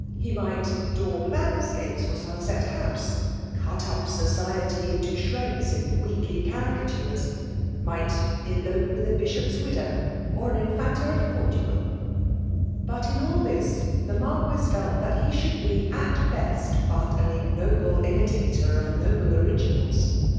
He might daub land* aciqpes lor Somerset House, — cut up society into shreds in weekly caricatures; — might elppe with a Bishop's widow, — or an In£uita of Portugal. But in all this, the Marquis felt that he should be at best but an ignoble isni' tetor of noble originals.